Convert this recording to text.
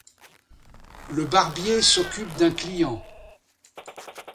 Le barbier s'occupe d'un client.